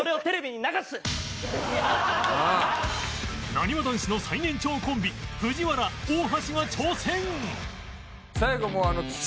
なにわ男子の最年長コンビ藤原大橋が挑戦！